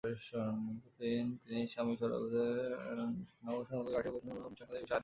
প্রতিদিন তিনি স্বামী স্বরূপানন্দের নব সম্পাদকত্বে আশু-প্রকাশোন্মুখ প্রথম সংখ্যাখানির বিষয়ে কথা পাড়িতেন।